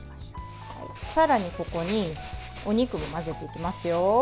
さらに、ここにお肉を混ぜていきますよ。